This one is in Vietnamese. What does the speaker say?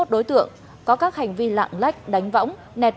chín mươi một đối tượng có các hành vi lạng lách đánh võng nẹt